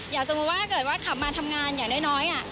อย่างสมมุติว่าด้วยว่าขับมาทำงานอย่างน้อย